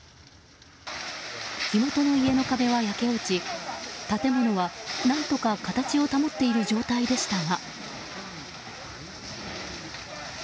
火元の家の壁は焼け落ち建物は何とか形を保っている状態でしたが。